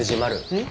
うん？